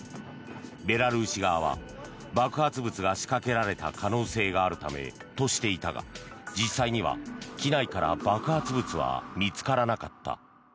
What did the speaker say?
ベラルーシ側は爆発物が仕掛けられた可能性があるためとしていたが実際には機内から爆発物は見つからなかった。